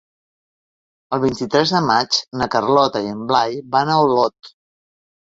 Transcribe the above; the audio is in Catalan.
El vint-i-tres de maig na Carlota i en Blai van a Olot.